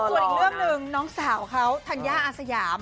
ส่วนอีกเรื่องหนึ่งน้องสาวเขาธัญญาอาสยาม